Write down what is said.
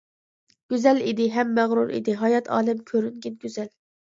گۈزەل ئىدى، ھەم مەغرۇر ئىدى، ھايات، ئالەم كۆرۈنگەن گۈزەل.